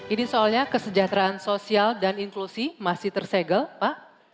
ini soalnya kesejahteraan sosial dan inklusi masih tersegel pak